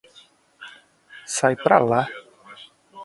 Sai pra lá